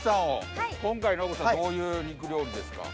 今回ノブさんどういう肉料理ですか？